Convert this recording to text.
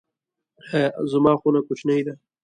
زما خونه کوچنۍ ده